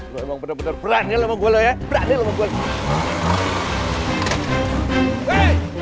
lu emang bener bener berani sama gua ya